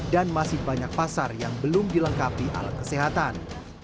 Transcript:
dan masih banyak pasar yang belum dilengkapi alat kesehatan